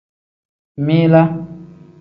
Min-laa.